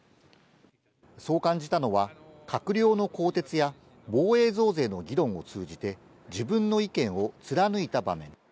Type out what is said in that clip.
そう感じたのは、閣僚の更迭や防衛増税の議論を通じて、自分の意見を貫いた場面。